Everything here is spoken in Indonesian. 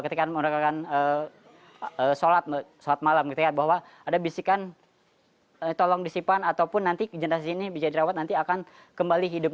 ketika melakukan sholat malam bahwa ada bisikan tolong disimpan ataupun nanti jenderal sini bisa dirawat nanti akan kembali hidup